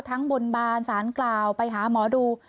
บนบานสารกล่าวไปหาหมอดู